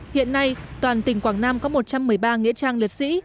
hiện nay toàn tỉnh quảng nam có một trăm một mươi ba nghĩa trang liệt sĩ